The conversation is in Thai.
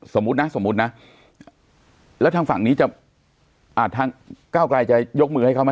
สมมุตินะสมมุตินะแล้วทางฝั่งนี้ก้าวกลายจะยกมือให้เขามา